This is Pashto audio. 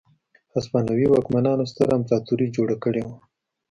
هسپانوي واکمنانو ستره امپراتوري جوړه کړې وه.